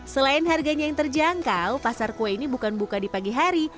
selain harganya yang terjangkau pasar kue ini bukan buka di pagi hari